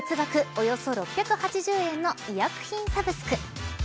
およそ６８０円の医薬品サブスク。